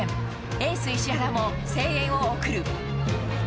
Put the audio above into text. エース、石原も声援を送る。